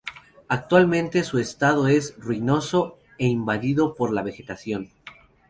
Actualmente su estado es ruinoso, e invadido por la vegetación.